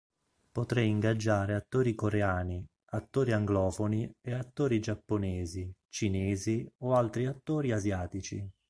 Potrei ingaggiare attori coreani, attori anglofoni e attori giapponesi, cinesi o altri attori asiatici.